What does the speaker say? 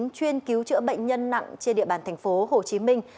chuyên cứu chữa bệnh nhân nặng trên địa bàn thành phố hồ chí minh